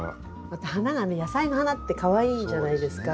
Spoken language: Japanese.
また花がね野菜の花ってかわいいじゃないですか。